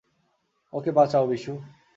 ওকে বাচাও, বিশু।